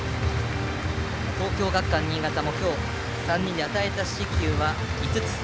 東京学館新潟は今日３人で与えた四死球は５つ。